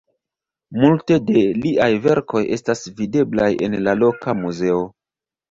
Multe da liaj verkoj estas videblaj en la loka muzeo.